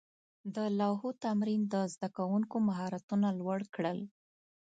د لوحو تمرین د زده کوونکو مهارتونه لوړ کړل.